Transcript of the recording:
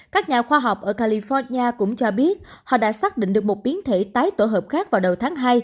các nhà khoa học ở california cũng cho biết họ đã xác định được một biến thể tái tổ hợp khác vào đầu tháng hai